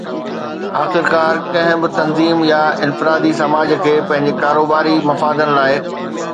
آخرڪار، ڪنهن به تنظيم يا انفرادي سماج کي پنهنجي ڪاروباري مفادن لاء